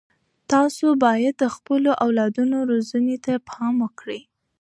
تاسو باید د خپلو اولادونو روزنې ته پام وکړئ.